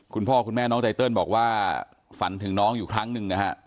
คุณพ่อคุณแม่น้องไตเติลบอกว่าฝันถึงน้องอยู่ครั้งหนึ่งนะฮะ